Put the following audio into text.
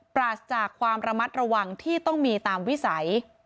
ปราศจากความระมัดระวังที่ต้องมีตามวิสัย